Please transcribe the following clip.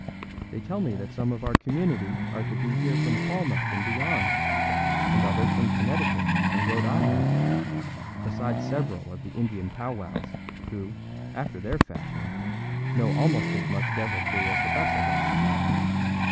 They tell me that some of our community are to be here from Falmouth and beyond, and others from Connecticut and Rhode Island, besides several of the Indian powwows, who, after their fashion, know almost as much deviltry as the best of us.